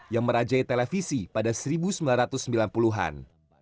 yang merajai televisi pada seribu sembilan ratus sembilan puluh an